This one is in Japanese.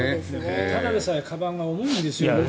ただでさえかばんが重いんですよ。